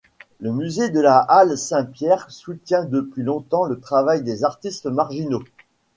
Le musée de la Halle Saint-Pierre soutient depuis longtemps le travail des artistes marginaux.